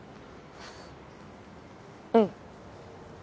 うん。